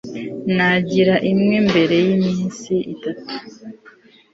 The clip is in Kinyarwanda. nagira imwe mbere yiminsi itatu